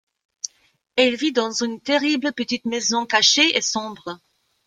Elle vit dans une terrible petite maison cachée et sombre.